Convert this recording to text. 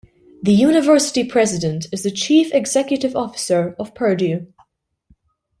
The university president is the chief executive officer of Purdue.